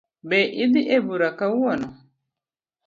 Be idhi ebura kawuono?